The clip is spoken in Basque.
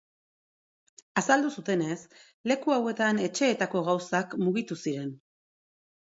Azaldu zutenez, leku hauetan etxeetako gauzak mugitu ziren.